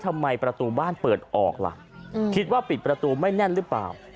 ทำไมประตูบ้านเปิดออกล่ะคิดว่าปิดประตูไม่แน่นหรือเปล่า